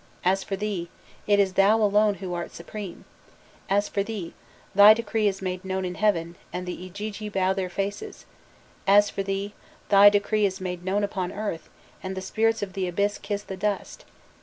As for thee, it is thou alone who art supreme! As for thee, thy decree is made known in heaven, and the Igigi bow their faces! As for thee, thy decree is made known upon earth, and the spirits of the abyss kiss the dust!